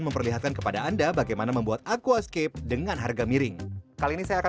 memperlihatkan kepada anda bagaimana membuat aquascape dengan harga miring kali ini saya akan